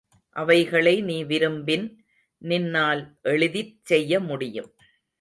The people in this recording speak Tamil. அவைகளை நீ விரும்பின் நின்னால் எளிதிற் செய்ய முடியும்.